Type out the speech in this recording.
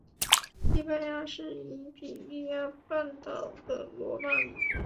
西班牙是伊比利亚半岛的罗马名。